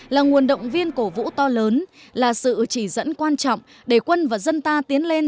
là nguồn động viên cổ vũ to lớn là sự chỉ dẫn quan trọng để quân và dân ta tiến lên